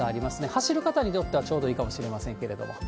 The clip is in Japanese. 走る方にとってはちょうどいいかもしれませんけれども。